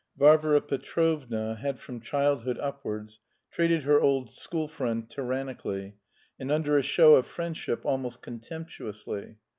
Varvara Petrovna had from childhood upwards treated her old school friend tyrannically, and under a show of friendship almost contemptuously.